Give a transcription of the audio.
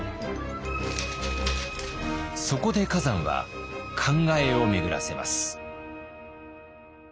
そこで崋山は考えを巡らせます。